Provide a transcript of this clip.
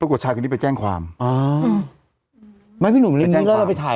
ต้องกดชายคนนี้ไปแจ้งความอ๋อไม่พี่หนุ่มเล่นด้วยแล้วเราไปถ่าย